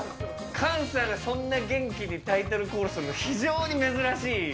菅さんがそんな元気にタイトルコールするの、非常に珍しい。